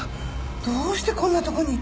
どうしてこんなとこに？